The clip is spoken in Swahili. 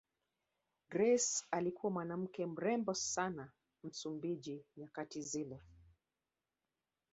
Grace alikuwa mwanawake mrembo sana Msumbiji nyakati zile